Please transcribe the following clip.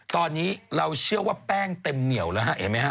ตอนนี้เราเชื่อว่าแป้งเต็มเหนียวแล้วฮะเห็นไหมฮ